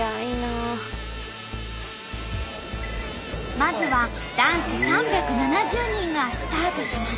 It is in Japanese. まずは男子３７０人がスタートします。